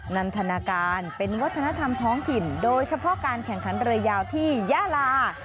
นันทนาการเป็นวัฒนธรรมท้องถิ่นโดยเฉพาะการแข่งขันเรือยาวที่ยาลา